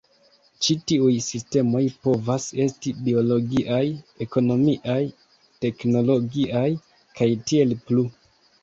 Ĉi tiuj sistemoj povas esti biologiaj, ekonomiaj, teknologiaj, kaj tiel plu.